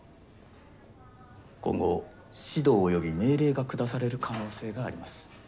今後指導及び命令が下される可能性があります。